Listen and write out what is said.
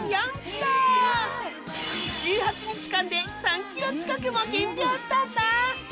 １８日間で３キロ近くも減量したんだ。